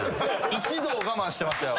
一同我慢してましたよ。